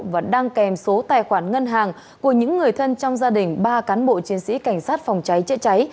và đang kèm số tài khoản ngân hàng của những người thân trong gia đình ba cán bộ chiến sĩ cảnh sát phòng cháy chữa cháy